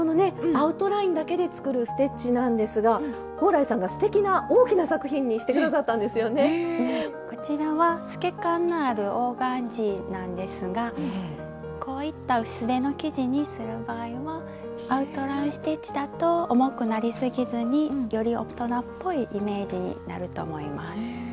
アウトラインだけで作るステッチなんですがさんがすてきな大きな作品にして下こちらは透け感のあるオーガンジーなんですがこういった薄手の生地にする場合はアウトライン・ステッチだと重くなり過ぎずにより大人っぽいイメージになると思います。